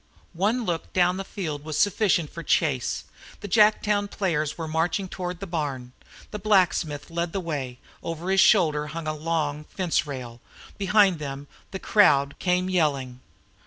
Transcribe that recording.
One look down the field was sufficient for Chase. The Jacktown players were marching toward the barn. The blacksmith led the way, and over his shoulder hung a long fence rail. Behind them the crowd came yelling.